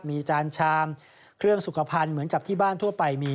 มีจานชามเครื่องสุขภัณฑ์เหมือนกับที่บ้านทั่วไปมี